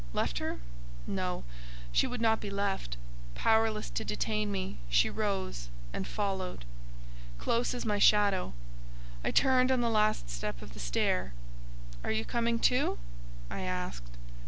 Left her? No: she would not be left: powerless to detain me, she rose and followed, close as my shadow. I turned on the last step of the stair. "Are you coming, too?" I asked.